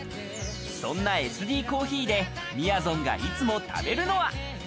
そんなエスディコーヒーでみやぞんがいつも食べるのは。